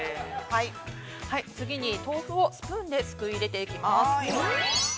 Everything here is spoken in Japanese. ◆次に豆腐をスプーンで、すくい入れていきます。